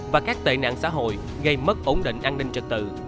và các tệ nạn xã hội gây mất ổn định an ninh trật tự